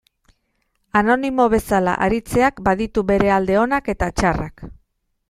Anonimo bezala aritzeak baditu bere alde onak eta txarrak.